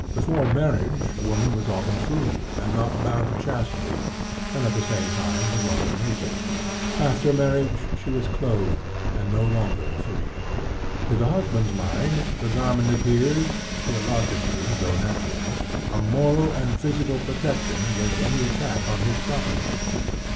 Before marriage a woman was often free, and not bound to chastity, and at the same time was often naked; after marriage she was clothed, and no longer free. To the husband's mind, the garment appears illogically, though naturally a moral and physical protection against any attack on his property.